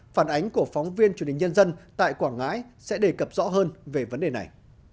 phản ánh của phóng viên truyền hình nhân dân tại quảng ngãi sẽ đề cập rõ hơn về vấn đề này